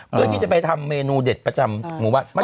เพื่อที่จะไปทำเมนูเด็ดประจำหมู่บ้าน